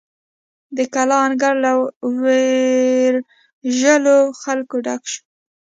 د کلا انګړ له ویرژلو خلکو ډک شو.